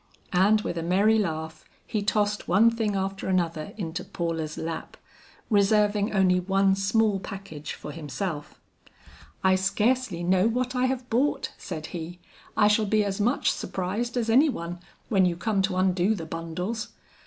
And with a merry laugh, he tossed one thing after another into Paula's lap, reserving only one small package for himself. "I scarcely know what I have bought," said he. "I shall be as much surprised as any one, when you come to undo the bundles.